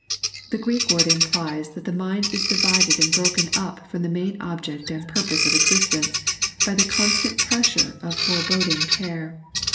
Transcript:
The Greek word imj^ee that the mind is divided and broken up from the main object and purpose of existence, by the oouRtant pressure of foreboding care.